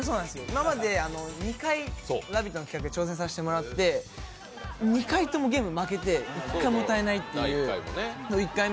今まで２回「ラヴィット！」の企画に挑戦させてもらって２回ともゲームに負けて一回も歌えないという。